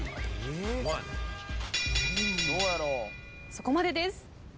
そこまでです。